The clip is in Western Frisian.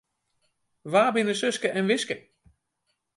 Wa binne Suske en Wiske?